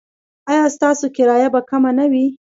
ایا ستاسو کرایه به کمه نه وي؟